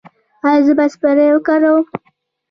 ایا زه باید سپری وکاروم؟